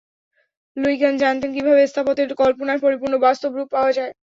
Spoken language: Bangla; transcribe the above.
লুই কান জানতেন, কীভাবে স্থাপত্যের কল্পনার পরিপূর্ণ বাস্তব রূপ দেওয়া যায়।